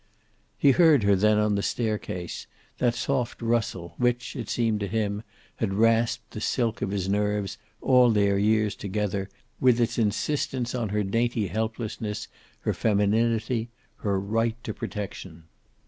He heard her then, on the staircase, that soft rustle which, it seemed to him, had rasped the silk of his nerves all their years together with its insistence on her dainty helplessness, her femininity, her right to protection.